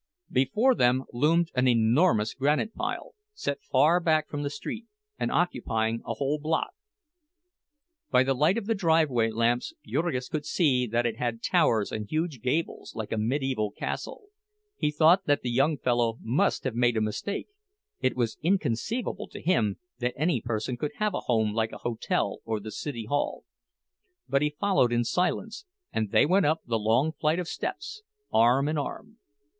Before them there loomed an enormous granite pile, set far back from the street, and occupying a whole block. By the light of the driveway lamps Jurgis could see that it had towers and huge gables, like a mediæval castle. He thought that the young fellow must have made a mistake—it was inconceivable to him that any person could have a home like a hotel or the city hall. But he followed in silence, and they went up the long flight of steps, arm in arm.